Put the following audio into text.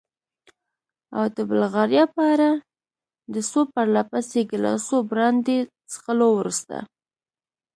او د بلغاریا په اړه؟ د څو پرله پسې ګیلاسو برانډي څښلو وروسته.